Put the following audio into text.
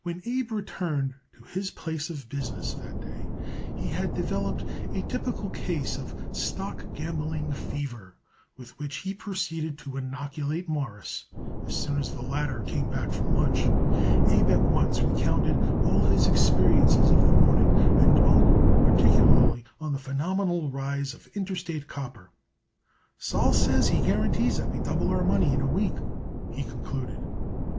When Abe returned to his place of business that day he had developed a typical case of stock gambling fever, with which he proceeded to inoculate Morris as soon as the latter came back from lunch. Abe at once recounted all his experiences of the morning and dwelt particularly on the phenomenal rise of Interstate Copper. "Sol says he guarantees that we double our money in a week," he concluded.